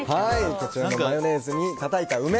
こちらのマヨネーズにたたいた梅。